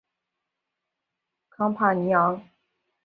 康帕尼昂。